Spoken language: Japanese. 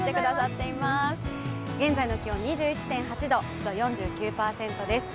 現在の気温２１．８度、湿度４９％です。